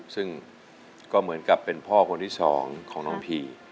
ซึ่งก็เหมือนกับเป็นพ่อคนที่สองของน้องพี